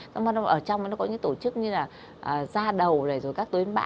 xong rồi ở trong nó có những tổ chức như là da đầu rồi rồi các tuyến bã thứ